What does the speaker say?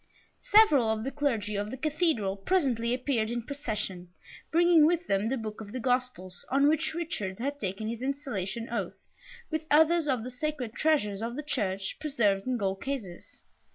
Several of the Clergy of the Cathedral presently appeared in procession, bringing with them the book of the Gospels on which Richard had taken his installation oath, with others of the sacred treasures of the Church, preserved in gold cases.